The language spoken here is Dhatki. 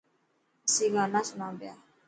اسين گانا سڻان پيا.